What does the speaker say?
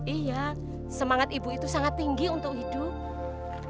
iya semangat ibu itu sangat tinggi untuk hidup